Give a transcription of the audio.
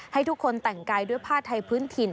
ให้ทุกคนแต่งกายด้วยผ้าไทยพื้นถิ่น